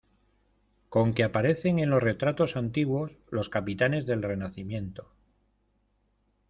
con que aparecen en los retratos antiguos los capitanes del Renacimiento: